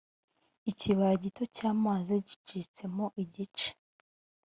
ikibaya gito cy’amazi gicitsemo igice